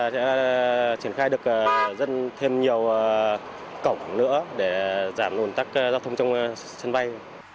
chúng tôi sẽ triển khai được rất thêm nhiều cổng nữa để giảm ủn tác giao thông trong sân bay